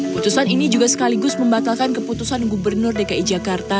putusan ini juga sekaligus membatalkan keputusan gubernur dki jakarta